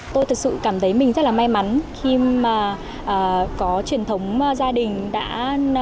tôi thật sự cảm thấy mình rất là may mắn khi mà có truyền thống gia đình đã